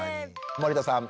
森田さん